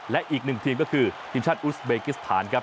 และอีกหนึ่งทีมก็คือทีมชาติอุสเบกิสถานครับ